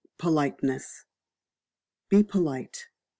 Politeness. Be Polite.